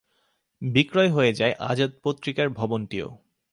বিক্রয় হয়ে যায় আজাদ পত্রিকার ভবনটিও।